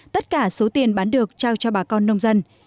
tất cả số tiền bán được trao cho bà con nông dân